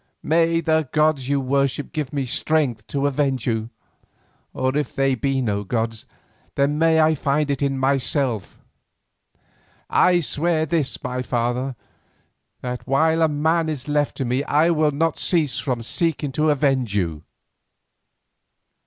May the gods you worshipped give me strength to avenge you, or if they be no gods, then may I find it in myself. I swear this, my father, that while a man is left to me I will not cease from seeking to avenge you."